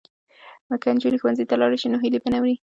که نجونې ښوونځي ته لاړې شي نو هیلې به یې نه مري.